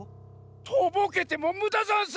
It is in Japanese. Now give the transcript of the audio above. とぼけてもむだざんす！